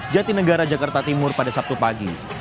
jati negara jakarta timur pada sabtu pagi